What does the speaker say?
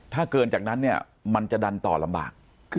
ถ้าเกินจากนั้นเนี่ยมันจะดันต่อลำบาก